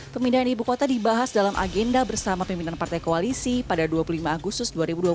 pemindahan ibu kota dibahas dalam agenda bersama pimpinan partai koalisi pada dua puluh lima agustus dua ribu dua puluh